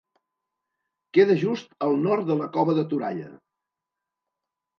Queda just al nord de la Cova de Toralla.